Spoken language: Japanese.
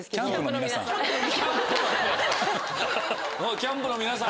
キャンプの皆さん。